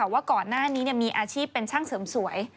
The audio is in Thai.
ว่าก่อนหน้านี้มีอาชีพเป็นช่างเสริมสวย